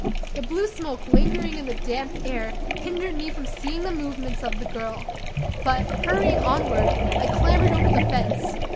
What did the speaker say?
The blue smoke lingering in the damp air, hindered me from seeing the movements of the girl; but, hurrying onward, I clambered over the fence.